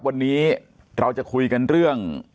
วันนี้เราจะคุยกันเรื่อง